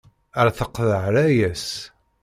Ar teqḍeε layas.